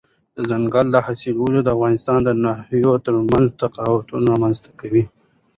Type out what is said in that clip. دځنګل حاصلات د افغانستان د ناحیو ترمنځ تفاوتونه رامنځته کوي.